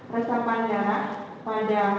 resepan darah pada